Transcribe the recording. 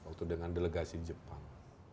waktu dengan delegasi jepang